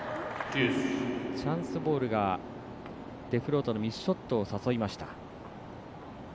チャンスボールがデフロートのミスショットを誘いました。